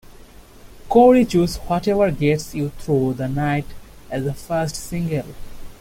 Coury chose "Whatever Gets You thru the Night" as the first single.